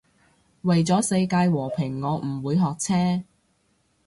為咗世界和平我唔會學車